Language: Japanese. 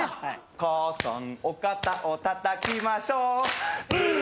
「母さんお肩をたたきましょう」ん！